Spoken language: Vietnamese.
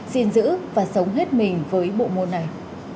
xin giữ và sống hết mình với bộ môn này